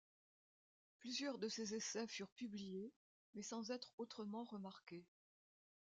Plusieurs de ses essais furent publiés, mais sans être autrement remarqués.